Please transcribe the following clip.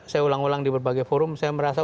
saya ulang ulang di berbagai forum saya merasa